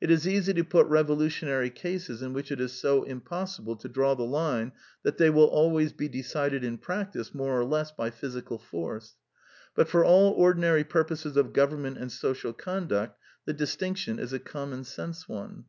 It is easy to put revolutionary cases in which it is so impossible to draw the line that they will always be decided in practice more or less by physical force; but for all ordinary purposes of government and social conduct the distinction is a commonsense one.